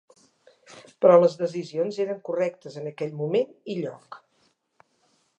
Però les decisions eren correctes, en aquell moment i lloc.